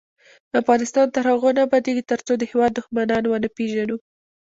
افغانستان تر هغو نه ابادیږي، ترڅو د هیواد دښمنان ونه پیژنو.